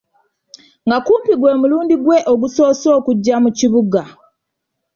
Nga kumpi gwe mulundi gwe ogusoose okujja mu kibuga.